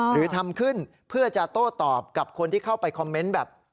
หรือทำขึ้นเพื่อจะโต้ตอบกับคนที่เข้าไปคอมเมนต์แบบ